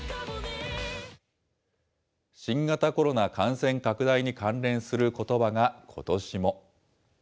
新型コロナ感染拡大に関連することばがことしも。